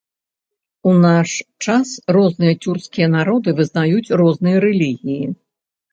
У наш час, розныя цюркскія народы вызнаюць розныя рэлігіі.